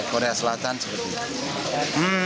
korea selatan seperti itu